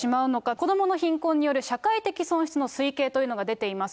子どもの貧困による社会的損失の推計というのが出ています。